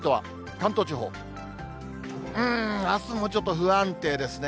関東地方、うーん、あすもちょっと不安定ですね。